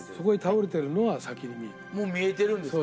もう見えてるんですか。